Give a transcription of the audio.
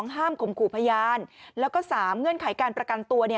๒ห้ามคุมกรูพยานแล้วก็๓เงื่อนไขการประกันตัวเนี่ย